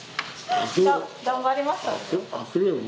頑張りましたね。